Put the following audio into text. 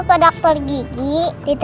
ke dokter gigi ditemenin papa